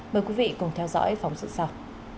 mời quý vị cùng theo dõi phóng sự sau